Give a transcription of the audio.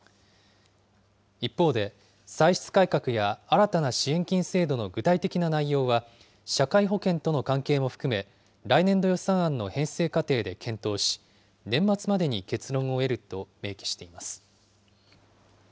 一方で、歳出改革や新たな支援金制度の具体的な内容は、社会保険との関係も含め、来年度予算案の編成過程で検討し、年末までに結論を得ると明記しています。